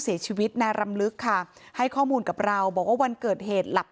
เสียชีวิตนายรำลึกค่ะให้ข้อมูลกับเราบอกว่าวันเกิดเหตุหลับ